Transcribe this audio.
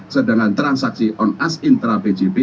sedangkan transaksi on ask intra bjp